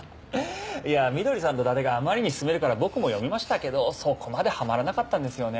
いやみどりさんと伊達があまりに勧めるから僕も読みましたけどそこまでハマらなかったんですよね。